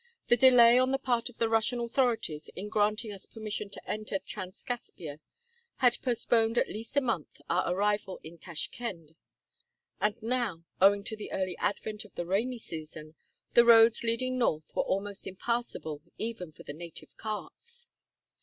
The delay on the part of the Russian authorities in granting us permission to enter Transcaspia had postponed at least a month our arrival in Tashkend, and now, owing to the early advent of the rainy IV 105 season, the roads leading north were almost impassable even for the native carts.